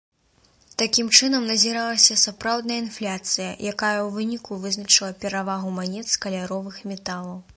Такім чынам назіралася сапраўдная інфляцыя, якая ў выніку вызначыла перавагу манет з каляровых металаў.